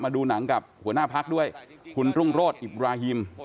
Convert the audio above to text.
ดูหนังกับหัวหน้าพักด้วยคุณรุ่งโรธอิบราฮิม